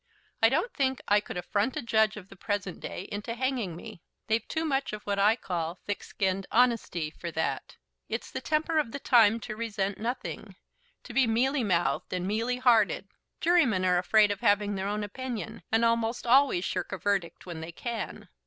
"I don't think I could affront a judge of the present day into hanging me. They've too much of what I call thick skinned honesty for that. It's the temper of the time to resent nothing, to be mealy mouthed and mealy hearted. Jurymen are afraid of having their own opinion, and almost always shirk a verdict when they can."